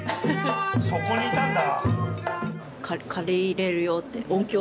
そこにいたんだ。